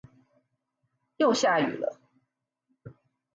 又下雨了！